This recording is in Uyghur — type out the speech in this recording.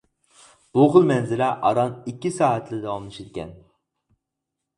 بۇ خىل مەنزىرە ئاران ئىككى سائەتلا داۋاملىشىدىكەن.